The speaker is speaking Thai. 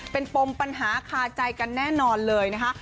เป็นปมปัญหาคาใจกันแน่นอนเลยนะคะ